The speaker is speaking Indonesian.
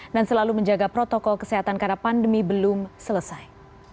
dan selalu menjaga protokol kesehatan karena pandemi belum selesai